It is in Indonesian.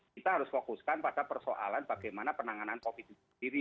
kita harus fokuskan pada persoalan bagaimana penanganan covid itu sendiri